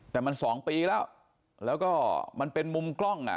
แต่มัน๒ปีแล้วแล้วก็มันเป็นมุมกล้องอ่ะ